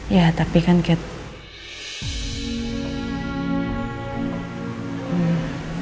ya tapi kan catherine